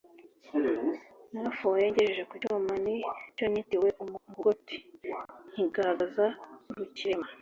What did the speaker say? Narafoye ngejeje ku cyuma, ni cyo nitiwe umukogoto nkigaragaza rukirema;